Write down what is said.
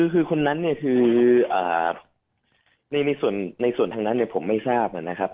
คือคนนั้นเนี่ยคือในส่วนทางนั้นผมไม่ทราบนะครับ